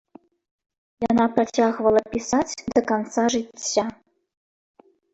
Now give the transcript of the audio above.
Яна працягвала пісаць да канца жыцця.